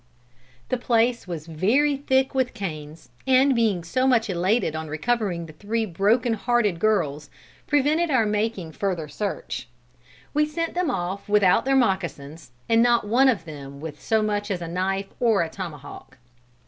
The place was very thick with canes, and being so much elated on recovering the three broken hearted girls, prevented our making further search. We sent them off without their mocassins, and not one of them with so much as a knife or a tomahawk."